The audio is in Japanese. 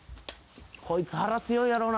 「こいつ腹強いやろな」